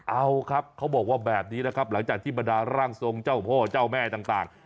เอาครับเขาบอกว่าแบบนี้นะครับหลังจากที่บรรดาร่างทรงเจ้าพ่อเจ้าแม่ต่าง